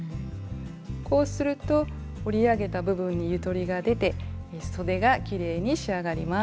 こうすると折り上げた部分にゆとりが出てそでがきれいに仕上がります。